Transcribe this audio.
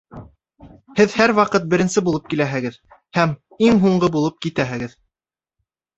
Һеҙ һәр ваҡыт беренсе булып киләһегеҙ һәм иң һуңғы булып китәһегеҙ